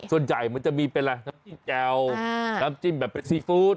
ส่วนใหญ่มันจะมีเป็นอะไรน้ำจิ้มแจ่วน้ำจิ้มแบบซีฟู้ด